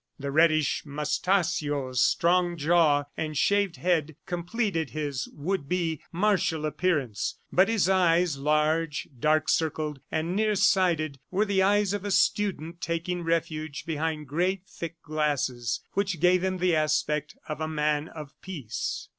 The reddish moustachios, strong jaw and shaved head completed his would be martial appearance; but his eyes, large, dark circled and near sighted, were the eyes of a student taking refuge behind great thick glasses which gave him the aspect of a man of peace.